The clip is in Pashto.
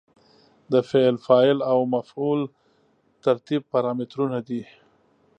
د فعل، فاعل او مفعول ترتیب پارامترونه دي.